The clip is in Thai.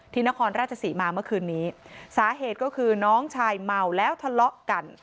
นครราชศรีมาเมื่อคืนนี้สาเหตุก็คือน้องชายเมาแล้วทะเลาะกัน